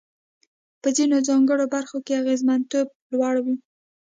په ځینو ځانګړو برخو کې اغېزمنتوب لوړ وي.